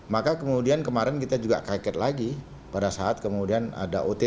maka kemudian kemarin kita juga kaget lagi pada saat kemudian ada ott